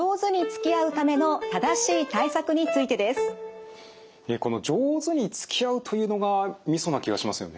今日最後はこの「上手につきあう」というのがみそな気がしますよね。